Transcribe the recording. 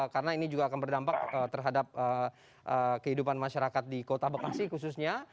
karena ini juga akan berdampak terhadap kehidupan masyarakat di kota bekasi khususnya